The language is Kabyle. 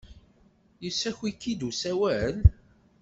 Yessaki-k-id usawal?